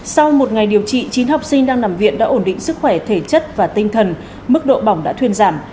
sau một ngày điều trị chín học sinh đang nằm viện đã ổn định sức khỏe thể chất và tinh thần mức độ bỏng đã thuyên giảm